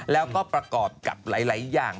แล้วก็ประกอบกับหลายอย่าง